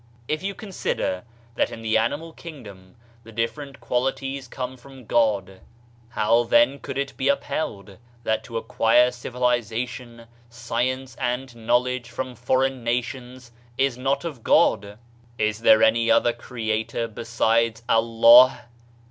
If you consider that in the animal kingdom the different qualities come from God, how then could it be upheld thzt to acquire civilization, science and knowledge from foreign nations is not of God? "Is there any other creator besides Allah?